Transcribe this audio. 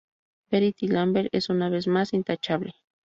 Verity Lambert es una vez más intachable".